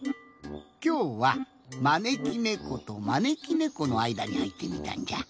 きょうはまねきねことまねきねこのあいだにはいってみたんじゃ。